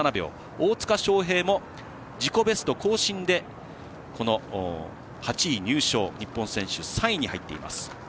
大塚祥平も自己ベスト更新でこの８位入賞日本選手３位に入っています。